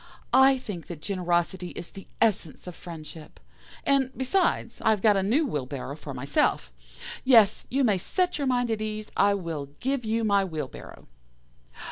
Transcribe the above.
I think that generosity is the essence of friendship, and, besides, I have got a new wheelbarrow for myself. Yes, you may set your mind at ease, I will give you my wheelbarrow.